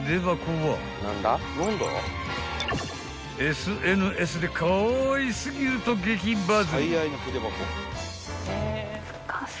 ［ＳＮＳでかわい過ぎると激バズり］